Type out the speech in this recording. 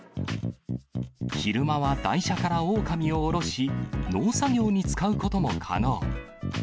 昼間は台車からオオカミを降ろし、農作業に使うことも可能。